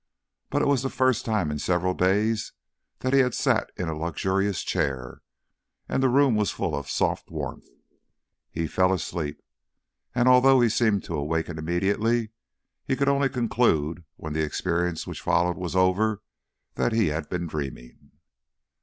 But it was the first time in several days that he had sat in a luxurious chair, and the room was full of soft warmth. He fell asleep, and although he seemed to awaken immediately, he could only conclude, when the experience which followed was over, that he had been dreaming.